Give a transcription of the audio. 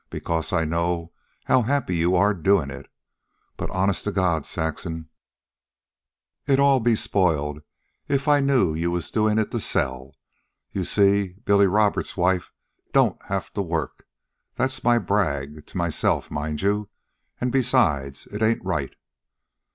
Because I know how happy you are a doin' it. But honest to God, Saxon, it'd all be spoiled if I knew you was doin' it to sell. You see, Bill Roberts' wife don't have to work. That's my brag to myself, mind you. An' besides, it ain't right."